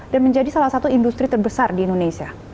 dan menjadi salah satu industri terbesar di indonesia